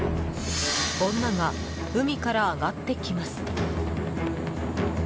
女が海から上がってきます。